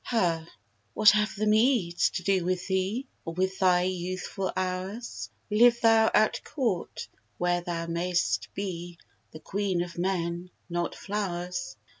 HER. What have the meads to do with thee, Or with thy youthful hours? Live thou at court, where thou mayst be The queen of men, not flowers.